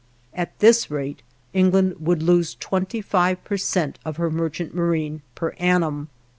At this rate, England would lose 25 per cent of her merchant marine per annum.